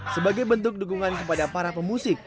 sebagai bentuk dukungan kepada para pemusik